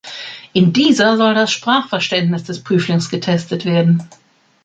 In dieser soll das Sprachverständnis des Prüflings getestet werden.